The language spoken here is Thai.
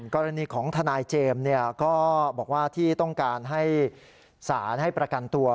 กรณีของทนายเจมส์ก็บอกว่าที่ต้องการให้สารให้ประกันตัว